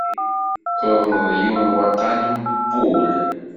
Tuḍneḍ yiwen waṭṭan n wul.